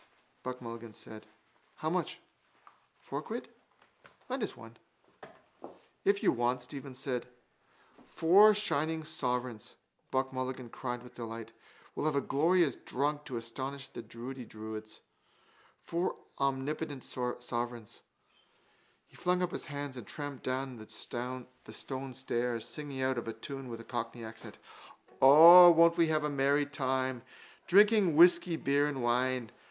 Buck Mulligan said. How much? Four quid? Lend us one. —If you want it, Stephen said. —Four shining sovereigns, Buck Mulligan cried with delight. We'll have a glorious drunk to astonish the druidy druids. Four omnipotent sovereigns. He flung up his hands and tramped down the stone stairs, singing out of tune with a Cockney accent: O, won't we have a merry time, Drinking whisky, beer and wine!